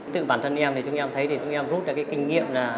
tự bản thân em thì chúng em thấy thì chúng em rút ra cái kinh nghiệm